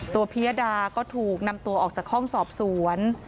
พิยดาก็ถูกนำตัวออกจากห้องสอบสวน